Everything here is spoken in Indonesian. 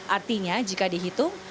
artinya jika dihitung